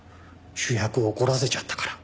主役を怒らせちゃったから。